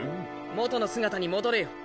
元の姿に戻れよ。